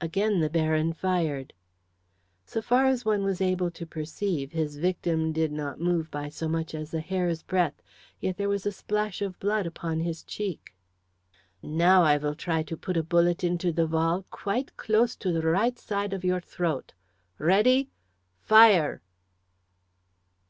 Again the Baron fired. So far as one was able to perceive, his victim did not move by so much as a hair's breadth, yet there was a splash of blood upon his cheek. "Now I will try to put a bullet into the wall quite close to the right side of your throat. Ready! Fire!"